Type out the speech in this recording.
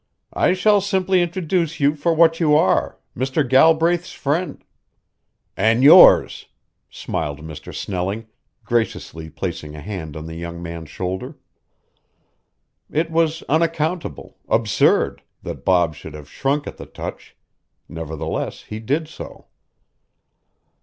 "I shall simply introduce you for what you are, Mr. Galbraith's friend " "And yours," smiled Mr. Snelling, graciously placing a hand on the young man's shoulder. It was unaccountable, absurd, that Bob should have shrunk at the touch; nevertheless he did so.